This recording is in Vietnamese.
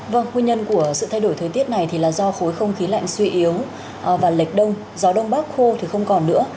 vâng nguyên nhân của sự thay đổi thời tiết này thì là do khối không khí lạnh suy yếu và lệch đông gió đông bắc khô thì không còn nữa